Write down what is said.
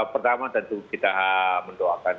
pertama tentu kita mendoakan